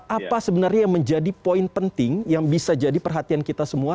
apa sebenarnya yang menjadi poin penting yang bisa jadi perhatian kita semua